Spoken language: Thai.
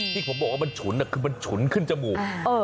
ที่ผมบอกว่ามันฉุนคือมันฉุนขึ้นจมูก